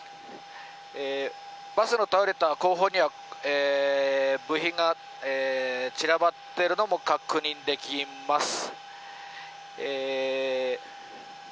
バスが倒れている後方には部品が散らばっているのも確認できます。